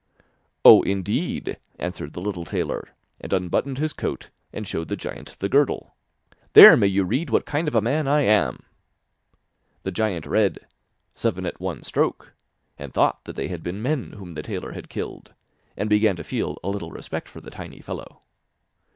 'Oh, indeed?' answered the little tailor, and unbuttoned his coat, and showed the giant the girdle, 'there may you read what kind of a man I am!' The giant read: 'Seven at one stroke,' and thought that they had been men whom the tailor had killed, and began to feel a little respect for the tiny fellow.